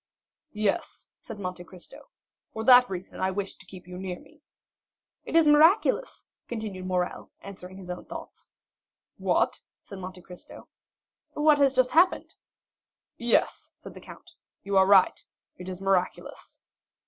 "Yes," said Monte Cristo; "for that reason I wished to keep you near me." "It is miraculous!" continued Morrel, answering his own thoughts. "What?" said Monte Cristo. "What has just happened." "Yes," said the Count, "you are right—it is miraculous."